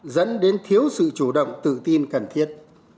dẫn đến thiếu sự chủ động tự tin cần thiết